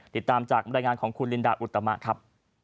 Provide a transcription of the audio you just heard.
ติดตามจากบรรยายงานของคุณลินดาอุตมะครับ